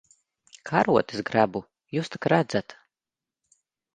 Karotes grebu. Jūs tak redzat.